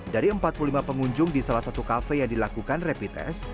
dari empat puluh lima pengunjung di salah satu kafe yang dilakukan rapid test